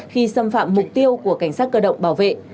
khi xâm phạm mục tiêu của cảnh sát cơ động bảo vệ